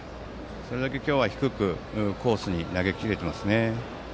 それだけ、今日は低くコースに投げ切れていますね。